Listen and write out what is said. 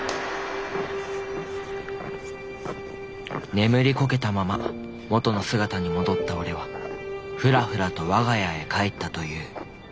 眠りこけたまま元の姿に戻ったおれはフラフラと我が家へ帰ったという。